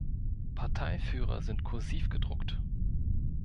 Parteiführer sind kursiv gedruckt.